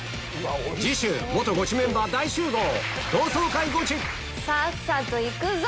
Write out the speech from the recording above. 次週元ゴチメンバー大集合同窓会ゴチさっさと行くぞ！